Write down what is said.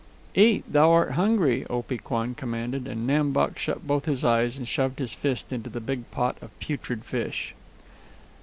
"Eat; thou art hungry," Opee Kwan commanded, and Nam Bok shut both his eyes and shoved his fist into the big pot of putrid fish.